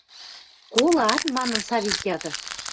– Кола-ат? – манын, Савик яды.